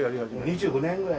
２５年ぐらい。